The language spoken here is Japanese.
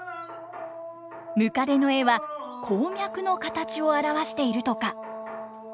ムカデの絵は鉱脈の形を表しているとか。